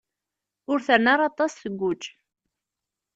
Ur terni ara aṭas tguǧ.